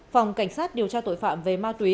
phòng cảnh sát điều tra tội phạm về ma túy